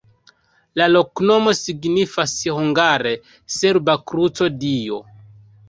La loknomo signifas hungare: serba-kruco-Dio.